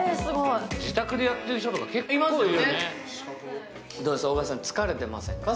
自宅でやってる人って結構いるよね。